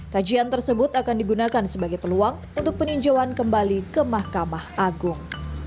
kajian tersebut akan digunakan sebagai peluang untuk peninjauan kembali ke mahkamah agung